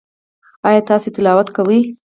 ایا تاسو تلاوت کوئ؟